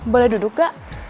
boleh duduk gak